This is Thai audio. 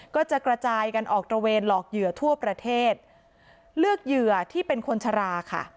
ก็จะกระจายกันออกตระเวนหลอกเหยื่อทั่วประเทศเลือกเหยื่อที่เป็นคนชราค่ะ